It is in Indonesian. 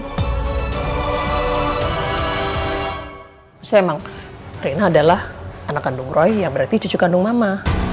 maksudnya memang rena adalah anak kandung roy yang berarti cucu kandung mama